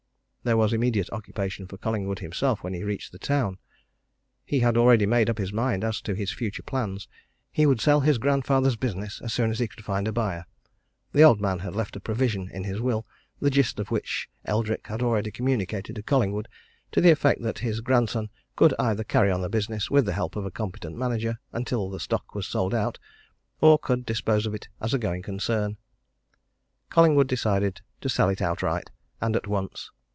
There was immediate occupation for Collingwood himself when he reached the town. He had already made up his mind as to his future plans. He would sell his grandfather's business as soon as he could find a buyer the old man had left a provision in his will, the gist of which Eldrick had already communicated to Collingwood, to the effect that his grandson could either carry on the business with the help of a competent manager until the stock was sold out, or could dispose of it as a going concern Collingwood decided to sell it outright, and at once.